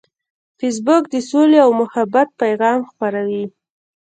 فېسبوک د سولې او محبت پیغام خپروي